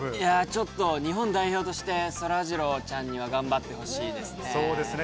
日本代表として、そらジローちゃんには頑張ってほしいですね。